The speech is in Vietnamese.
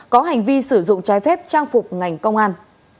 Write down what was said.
có hành vi sử dụng trái phép trang phục ngành công an